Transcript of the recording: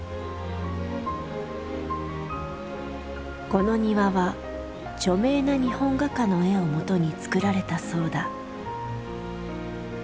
この庭は著名な日本画家の絵をもとに作られたそうだ。